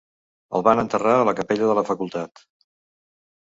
El van enterrar a la capella de la facultat.